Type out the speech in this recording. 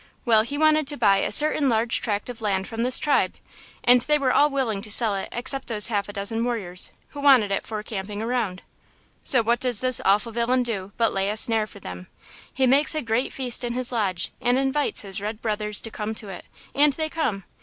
Well, he wanted to buy a certain large tract of land from this tribe, and they were all willing to sell it except those half a dozen warriors, who wanted it for camping ground. So what does this awful villain do but lay a snare for them. He makes a great feast in his lodge and invites his red brothers to come to it; and they come.